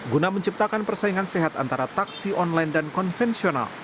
guna menciptakan persaingan sehat antara taksi online dan konvensional